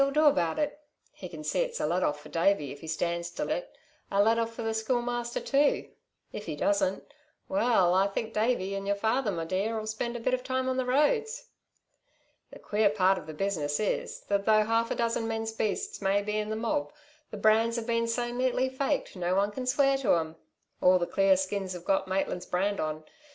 'll do about it He can see it's a let off for Davey, if he stands to it, a let off for the Schoolmaster too. If he doesn't well, I think Davey, 'n your father, my dear, 'll spend a bit of time on the roads. "The queer part of the business is that though half a dozen men's beasts may be in the mob, the brands've been so neatly faked, no one can swear to 'em. All the clear skins've got Maitland's brand on.